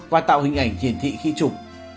và tạo hình ảnh hiển thị khi trục